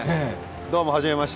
どうもはじめまして。